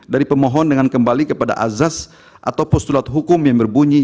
dari pemohon dengan kembali kepada azaz atau postulat hukum yang berbunyi